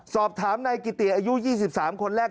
สอบถามในกิเตียร์อายุ๒๓คนแรก